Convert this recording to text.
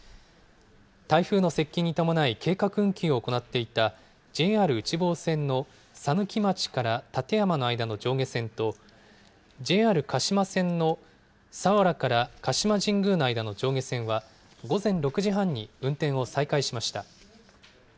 台風の接近に伴い、計画運休を行っていたＪＲ内房線の佐貫町から館山の間の上下線と、ＪＲ鹿島線の佐原から鹿島神宮の間の上下線は、午前６時半に運転を再開しました。